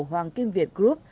hoàng kim việt group